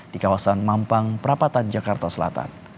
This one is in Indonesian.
di kawasan mampang perapatan jakarta selatan